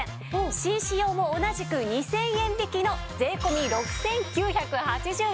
紳士用も同じく２０００円引きの税込６９８０円。